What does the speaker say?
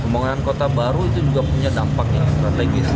pembangunan kota baru itu juga punya dampak yang strategis